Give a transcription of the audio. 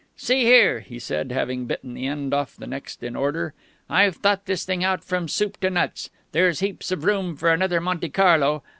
"See here," he said, having bitten the end off the next in order; "I've thought this thing out from soup to nuts. There's heaps of room for another Monte Carlo.